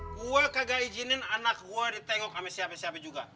gua kagak izinin anak gue ditengok sama siapa siapa juga